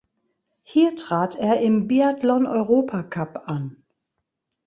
Hier trat er im Biathlon-Europacup an.